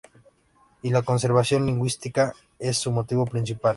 Y la conservación lingüística es su motivo principal.